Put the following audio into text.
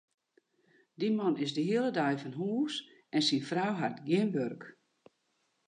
Dy man is de hiele dei fan hús en syn frou hat gjin wurk.